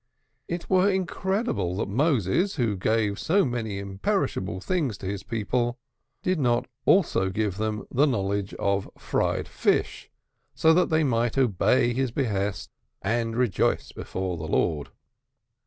It were incredible that Moses, who gave so many imperishable things to his people, did not also give them the knowledge of fried fish, so that they might obey his behest, and rejoice, before the Lord.